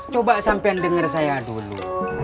coba sampean denger saya dulu